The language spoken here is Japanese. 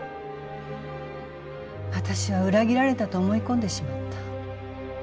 私は裏切られたと思い込んでしまった。